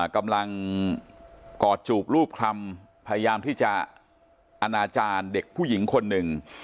กำลังกอดจูบรูปคลำพยายามที่จะอนาจารย์เด็กผู้หญิงคนหนึ่ง